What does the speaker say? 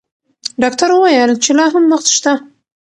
ډاکټر وویل چې لا هم وخت شته.